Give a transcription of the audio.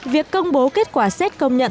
việc công bố kết quả xét công nhận